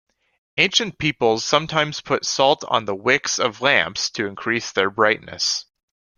Ancient peoples sometimes put salt on the wicks of lamps to increase their brightness.